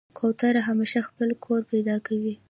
کوتره همیشه خپل کور پیدا کوي.